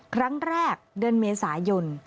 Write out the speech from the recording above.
ครั้งแรกเดือนเมษายน